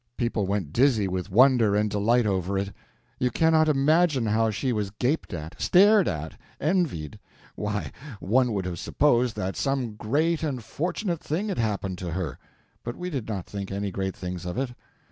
People went dizzy with wonder and delight over it. You cannot imagine how she was gaped at, stared at, envied. Why, one would have supposed that some great and fortunate thing had happened to her. But we did not think any great things of it.